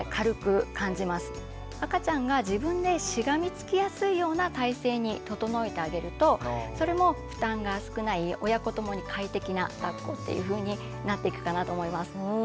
赤ちゃんが自分でしがみつきやすいような体勢に整えてあげるとそれも負担が少ない親子共に快適なだっこっていうふうになっていくかなと思います。